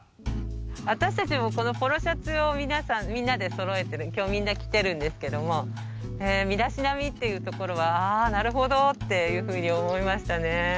私たちもこのポロシャツをみんなでそろえてる今日みんな着てるんですけども身だしなみっていうところは「あなるほど」っていうふうに思いましたね。